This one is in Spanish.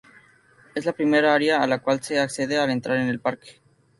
Es La Primera Área a la Cual se Accede al Entrar en el Parque.